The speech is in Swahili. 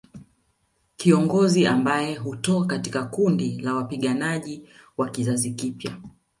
Kiongozi ambaye hutoka katika kundi la wapiganaji wa kizazi kipya